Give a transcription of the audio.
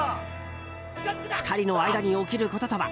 ２人の間に起きることとは？